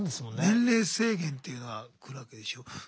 年齢制限っていうのは来るわけでしょ。